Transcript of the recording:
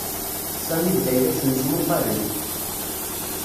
Sami d Layla ttmesmuqalen.